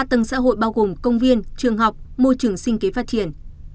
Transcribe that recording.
ba tầng xã hội bao gồm công viên trường học môi trường sinh kế phát triển